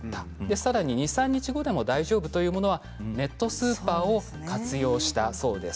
さらに２、３日後でも大丈夫というものはネットスーパーを活用したそうです。